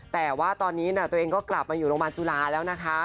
แต่ว่าตอนนี้ตัวเองก็กลับมาอยู่โรงพยาบาลจุฬาแล้วนะคะ